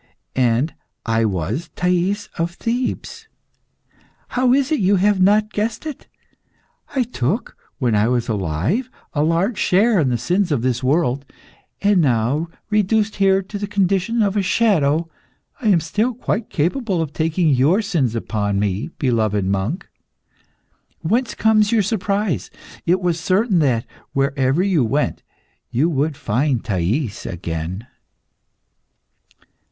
And I was Thais of Thebes. How is it you have not guessed it? I took, when I was alive, a large share in the sins of this world, and now reduced here to the condition of a shadow, I am still quite capable of taking your sins upon me, beloved monk. Whence comes your surprise? It was certain that, wherever you went, you would find Thais again."